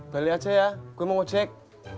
balik aja ya gue mau ngejek